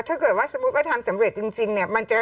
ถ้าเกิดว่าสมมุติว่าทำสำเร็จจริงเนี่ย